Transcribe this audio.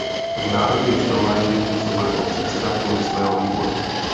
V Národním shromáždění působil jako předseda průmyslového výboru.